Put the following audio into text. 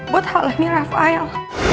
buat hal ini rafael